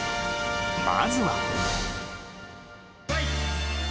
［まずは］